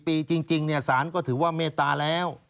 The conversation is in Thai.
๕๐ปีจริงเนี่ยศาลก็ถือว่าเมตตาแล้ว